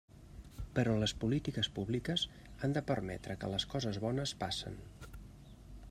Però les polítiques públiques han de permetre que les coses bones passen.